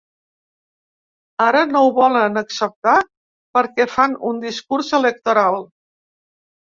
Ara no ho volen acceptar perquè fan un discurs electoral.